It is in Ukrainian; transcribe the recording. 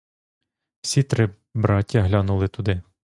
Всі три браття глянули туди.